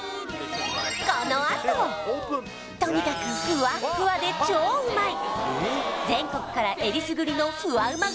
このあととにかくフワッフワで超うまい全国からえりすぐりのフワうま